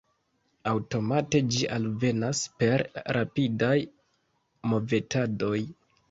Aŭtomate ĝi alvenas per rapidaj movetadoj.